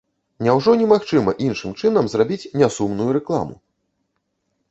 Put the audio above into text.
Няўжо немагчыма іншым чынам зрабіць нясумную рэкламу?